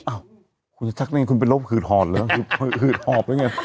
อ้าวคุณจะชักยังไงคุณเป็นโรคหืดหอบหรือไง